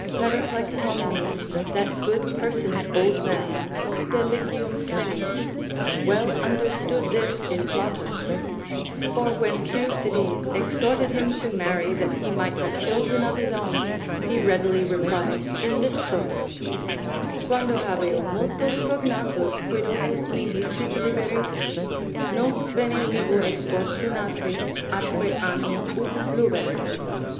Periplectomines, that good personate old man, delicium senis, well understood this in Plautus: for when Pleusides exhorted him to marry that he might have children of his own, he readily replied in this sort, Quando habeo multos cognatos, quid opus mihi sit liberis? Nunc bene vivo et fortunate, atque animo ut lubet.